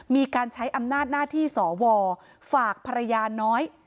มีการใช้อำนาจหน้าที่สวฝากภรรยาน้อย